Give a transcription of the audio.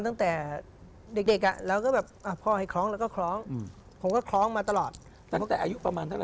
ตั้งแต่อายุประมาณเท่าไรครับ